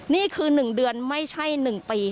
นี่คือหนึ่งเดือนไม่ใช่หนึ่งปี